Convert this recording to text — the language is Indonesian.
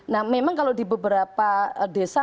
nah memang kalau di beberapa desa